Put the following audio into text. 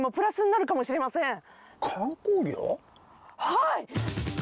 はい！